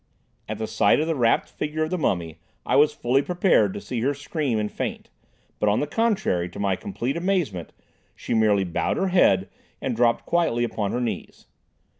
At the sight of the wrapped figure of the mummy I was fully prepared to see her scream and faint, but on the contrary, to my complete amazement, she merely bowed her head and dropped quietly upon her knees.